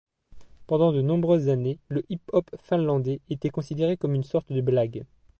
Pendant de nombreuses années, le hip-hop finlandais était considéré comme une sorte de blague.